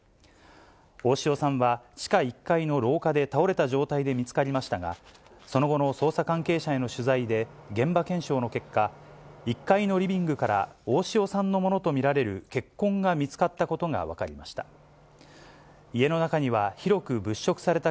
大塩さんは、地下１階の廊下で倒れた状態で見つかりましたが、その後の捜査関係者への取材で、現場検証の結果、１階のリビングから大塩さんのものと見られる血痕が見つかったことが分かりました。